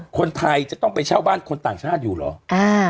คนไทยจะต้องไปเช่าบ้านคนต่างชาติอยู่เหรอ